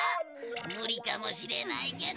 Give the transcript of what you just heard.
ムリかもしれないけど。